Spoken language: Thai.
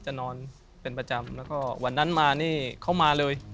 นอนเป็นประจำแล้วก็วันนั้นมานี่เขามาเลย